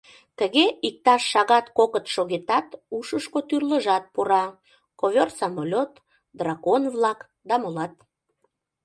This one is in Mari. Тыге, иктаж шагат-кокыт шогетат, ушышко тӱрлыжат пура: ковёр-самолёт, дракон-влак да молат.